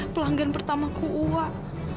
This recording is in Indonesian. pelanggan pertamaku wak